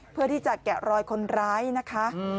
เพื่อที่จะแกะรอยคนร้ายนะคะ